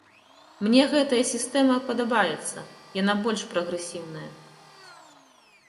Мне гэтая сістэма падабаецца, яна больш прагрэсіўная.